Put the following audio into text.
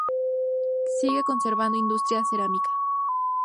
Sigue conservando industria cerámica.